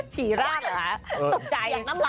ฉีราดเหรอตกใจ